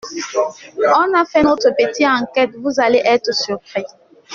On a fait notre petite enquête, vous allez être surpris.